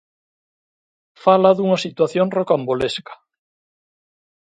Fala dunha situación rocambolesca.